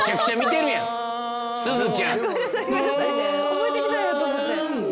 覚えてきたんやと思って。